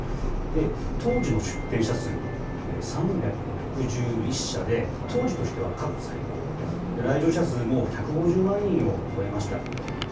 当時の出展社数、３６１社で、当時としては過去最高、来場者数も１５０万人を超えました。